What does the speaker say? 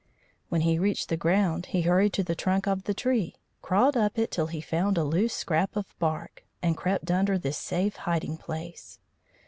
When he reached the ground he hurried to the trunk of the tree, crawled up it till he found a loose scrap of bark, and crept under this safe hiding place.